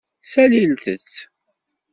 Salilt-t.